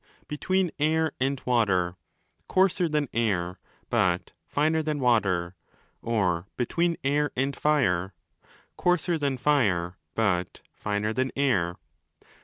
between Air and Water (coarser than Air, but finer than Water), or between Air and Fire (coarser than Fire, but finer than Air).